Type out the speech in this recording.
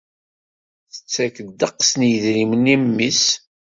Tettak deqqes n yidrimen i mmi-s.